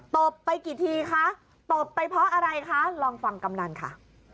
ตบไปกี่ทีคะตบไปเพราะอะไรคะลองฟังกำนันค่ะ